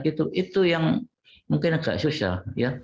itu yang mungkin agak sosial